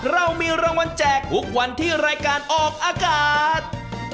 เรามีรางวัลแจกทุกวันที่รายการออกอากาศ